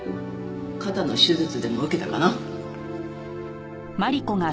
肩の手術でも受けたかな？